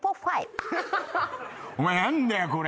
お前何だよこれ？